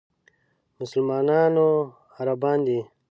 مسلمانانو عربان دي.